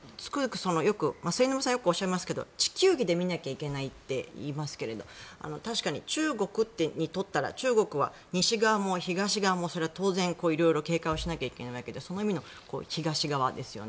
末延さんがよくおっしゃいますが地球儀で見なきゃいけないって言いますけれど確かに中国にとったら中国は西側も東側も当然色々、警戒をしなきゃいけないわけでその意味の東側ですよね。